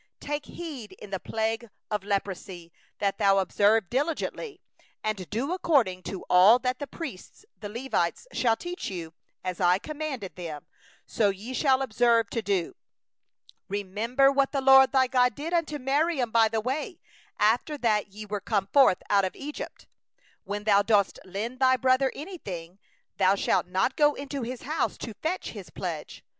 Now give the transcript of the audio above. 8Take heed in the plague of leprosy, that thou observe diligently, and do according to all that the priests the Levites shall teach you, as I commanded them, so ye shall observe to do. 9Remember what the LORD thy God did unto Miriam, by the way as ye came forth out of Egypt. 10When thou dost lend thy neighbour any manner of loan, thou 24 shalt not go into his house to fetch his pledge.